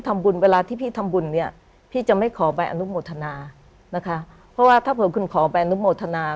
คุณซูซี่คุณซูซี่คุณซูซี่คุณซูซี่คุณซูซี่